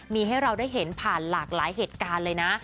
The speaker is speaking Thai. มีให้เราได้เห็นผ่านหลากหลายเหตุการณ์เลยนะ